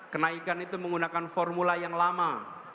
kenaikan itu menggunakan formula yang lama